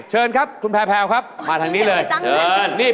เชิญครับคุณแพลวครับมาทางนี้เลยเชิญนี่